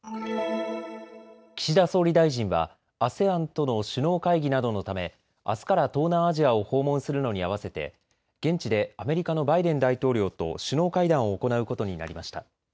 岸田総理大臣はＡＳＥＡＮとの首脳会議などのため、あすから東南アジアを訪問するのに合わせて現地でアメリカのバイデン大統領と首脳会談を行うことになりました。